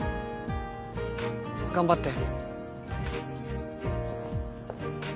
頑張って